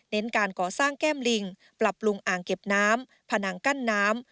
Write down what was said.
การก่อสร้างแก้มลิงปรับปรุงอ่างเก็บน้ำผนังกั้นน้ำ